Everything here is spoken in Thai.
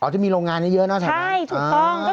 อ๋อที่มีโรงงานเยอะน่ะใช่ไหมครับใช่ถูกต้อง